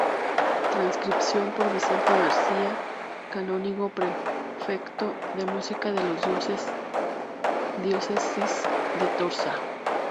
Transcripción por Vicente García, Canónigo Prefecto de Música de la Diócesis de Tortosa.